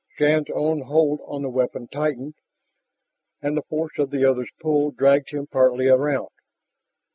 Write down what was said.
Shann's own hold on the weapon tightened, and the force of the other's pull dragged him partly around.